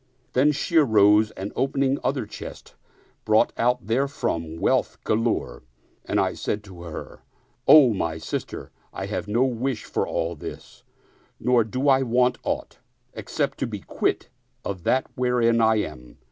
Then she arose and opening other chests, brought out therefrom wealth galore and I said to her, " O my sister, I have no wish for all this, nor do I want aught except to be quit of that wherein I am."